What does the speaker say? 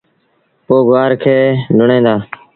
پو گُوآر کي لُڻيٚن دآ